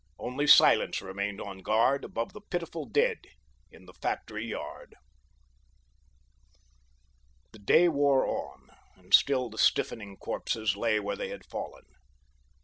Only silence remained on guard above the pitiful dead in the factory yard. The day wore on and still the stiffening corpses lay where they had fallen.